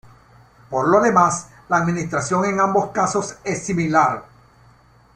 Por lo demás, la administración en ambos casos es similar.